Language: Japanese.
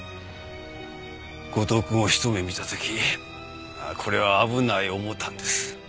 後藤くんをひと目見た時これは危ない思たんです。